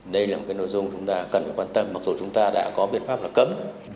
đây là một cái nội dung chúng ta cần phải quan tâm mặc dù chúng ta đã có biện pháp là cấm